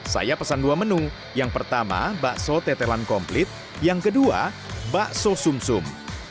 saya pesan dua menu yang pertama bakso tetelan komplit yang kedua bakso sum sum